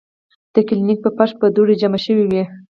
د کلینک پۀ فرش به دوړې جمع شوې وې ـ